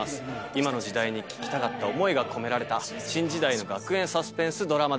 今の時代に聞きたかった思いが込められた新時代の学園サスペンスドラマです。